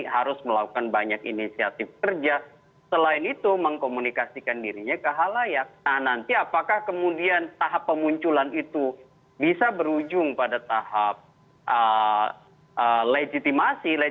harus melakukan banyak inisiatif kerja